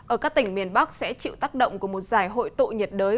ở các tỉnh miền bắc sẽ chịu tác động của một giải hội tụ nhiệt đới